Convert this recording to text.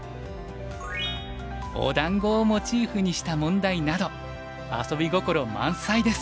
おだんごをモチーフにした問題など遊び心満載です。